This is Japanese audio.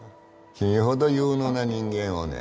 君ほど有能な人間をね